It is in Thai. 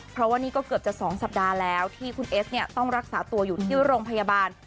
เพราะว่านี่ก็เกือบจะ๒สัปดาห์แล้วที่คุณเอสเนี่ยต้องรักษาตัวอยู่ที่โรงพยาบาล